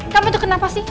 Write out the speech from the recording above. kamu itu kenapa sih